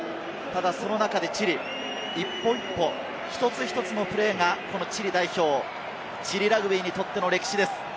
しかし、その中でチリ、一歩一歩、一つ一つのプレーが、このチリ代表、チリラグビーにとっての歴史です。